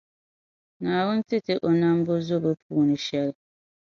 Naawuni ti ti o nambɔzɔbo puuni shɛli.